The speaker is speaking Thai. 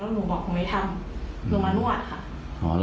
เขาบอกลงไปทำลงมานวดค่ะ